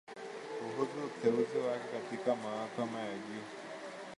kuhusu uteuzi wake katika mahakama ya juu